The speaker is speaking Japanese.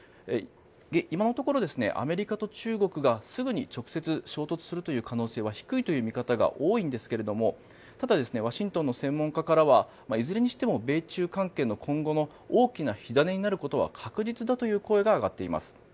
今のところアメリカと中国がすぐに直接衝突する可能性は低いという見方が多いんですがただ、ワシントンの専門家からはいずれにしても米中関係の今後の大きな火種になることは確実だという声が上がっています。